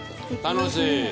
楽しい！